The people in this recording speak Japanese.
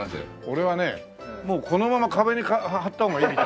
俺はねもうこのまま壁に貼った方がいい。